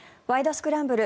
スクランブル」